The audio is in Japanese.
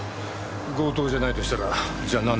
強盗じゃないとしたらじゃ何なんだよ？